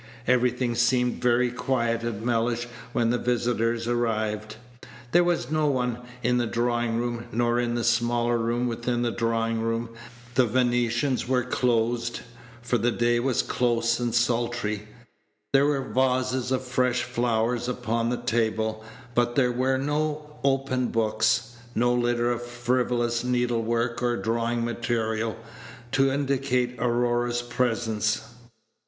Everything seemed very quiet at Mellish when the visitors arrived. There was no one in the drawing room, nor in the smaller room within the drawing room; the Venetians were closed, for the day was close and sultry; there were vases of fresh flowers upon the tables, but there were no open books, no litter of frivolous needle work or drawing materials, to indicate Aurora's presence.